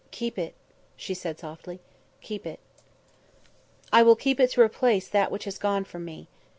"Keep it," she said softly. "Keep it." "I will keep it to replace that which has gone from me.